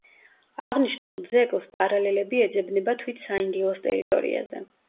აღნიშნულ ძეგლს პარალელები ეძებნება თვით საინგილოს ტერიტორიაზე.